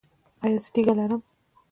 ایا زه تیږه لرم؟